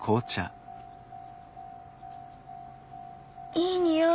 いい匂い。